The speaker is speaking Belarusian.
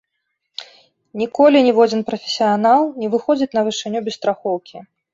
Ніколі ніводзін прафесіянал не выходзіць на вышыню без страхоўкі.